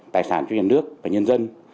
tài sản cho nhà nước và nhân dân